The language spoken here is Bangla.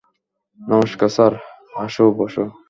নমষ্কার স্যার -আসো, বসো।